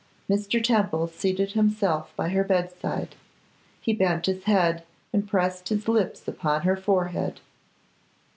Mr. Temple seated himself by her bedside; he bent his head and pressed his lips upon her forehead.